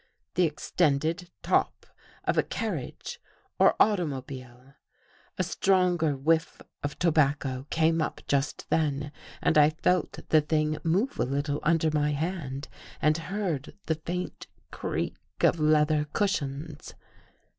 The extended top of a | carriage or automobile. [ A stronger whiff of tobacco came up just then | THE HOUSEBREAKERS and I felt the thing move a little under my hand and heard the faint creak of leather cushions.